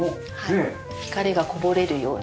光がこぼれるように。